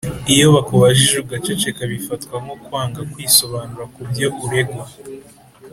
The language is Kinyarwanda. Iyo bakubajije ugaceceka Bifatwa nko kwanga kwisobanura kubyo uregwa